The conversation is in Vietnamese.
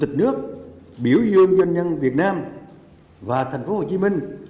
chủ tịch nước biểu dương doanh nhân việt nam và tp hcm